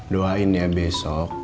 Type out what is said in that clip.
doain ya besok